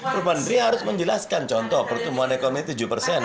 perbandri harus menjelaskan contoh pertumbuhan ekonomi tujuh persen